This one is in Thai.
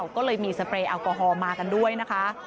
ก็เลยมีสเปรย์แอลกอฮอลมากันด้วยนะคะ